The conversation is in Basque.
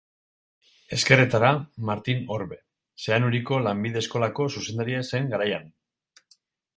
Ezkerretara, Martin Orbe, Zeanuriko lanbide eskolako zuzendari zen garaian.